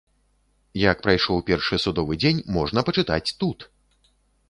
Як прайшоў першы судовы дзень можна пачытаць тут!